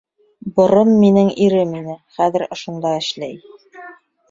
Борон минең ирем ине, хәҙер ошонда эшләй.